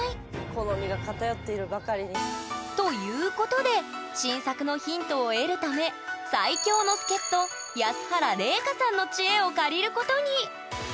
好みが偏っているばかりに。ということで新作のヒントを得るため最強の助っと安原伶香さんの知恵を借りることに！